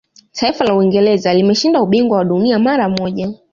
taifa la uingereza limeshinda ubingwa wa dunia mara moja